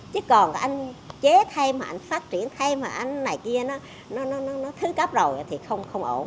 chứ còn anh chế thêm anh phát triển thêm anh này kia nó thư cắp rồi thì không ổn